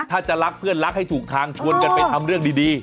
ถ้าจะรักเพื่อนรักให้ถูกทางชวนกันไปทำเรื่องดี